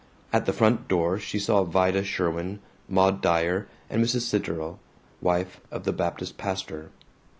At the front door she saw Vida Sherwin, Maud Dyer, and Mrs. Zitterel, wife of the Baptist pastor.